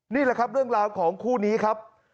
นี่แหละครับเรื่องราวของคู่นี้ครับ